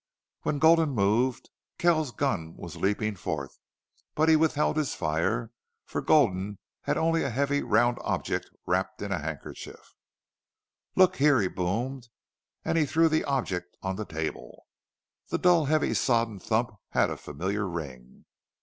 When Gulden moved Kells's gun was leaping forth. But he withheld his fire, for Gulden had only a heavy round object wrapped in a handkerchief. "Look there!" he boomed, and he threw the object on the table. The dull, heavy, sodden thump had a familiar ring.